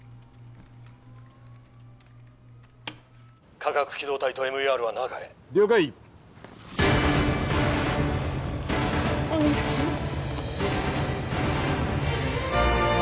化学機動隊とＭＥＲは中へ了解お願いします